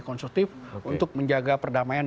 konstruktif untuk menjaga perdamaian